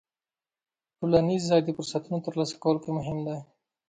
ټولنیز ځای د فرصتونو ترلاسه کولو کې مهم دی.